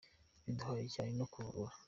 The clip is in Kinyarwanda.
bidahuye cyane no kuvura.